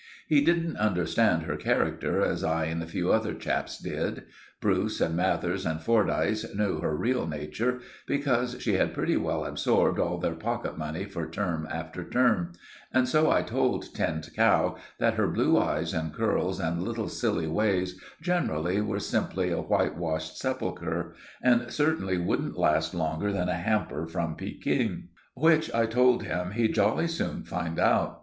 He didn't understand her character as I and a few other chaps did. Bruce and Mathers and Fordyce knew her real nature, because she had pretty well absorbed all their pocket money for term after term; and so I told Tinned Cow that her blue eyes and curls and little silly ways generally were simply a whitewashed sepulchre, and certainly wouldn't last longer than a hamper from Pekin; which, I told him, he'd jolly soon find out.